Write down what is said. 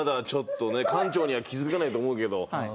館長には気付けないと思うけど。